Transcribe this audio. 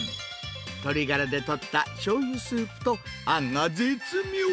鶏がらで取ったしょうゆスープとあんが絶妙。